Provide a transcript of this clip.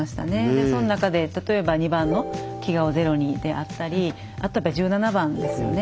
でその中で例えば２番の「飢餓をゼロに」であったりあとはやっぱ１７番ですよね。